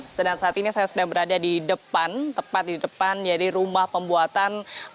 saat ini saya sedang berada di depan tepat di depan rumah pembuatan merica